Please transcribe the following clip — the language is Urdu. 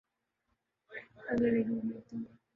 آگے دیکھئے ہوتا ہے۔